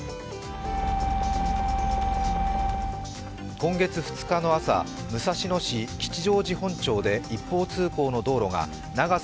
今月２日の朝、武蔵野市吉祥寺本町で一方通行の道路が長さ